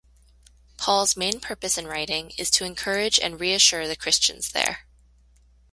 Paul's main purpose in writing is to encourage and reassure the Christians there.